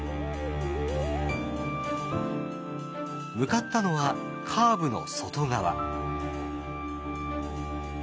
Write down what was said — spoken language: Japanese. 向かったのはカーブの外側。